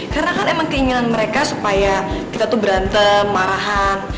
karena kan emang keinginan mereka supaya kita tuh berantem marahan